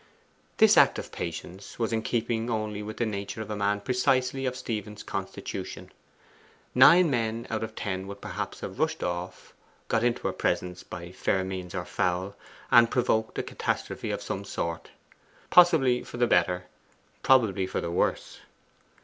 This act of patience was in keeping only with the nature of a man precisely of Stephen's constitution. Nine men out of ten would perhaps have rushed off, got into her presence, by fair means or foul, and provoked a catastrophe of some sort. Possibly for the better, probably for the worse.